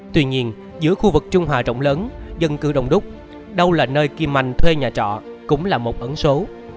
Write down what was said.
tuy nhiên giữa khu vực trung hòa rộng lớn dân cư đông đúc đâu là nơi kim anh thuê nhà trọ cũng là một ẩn số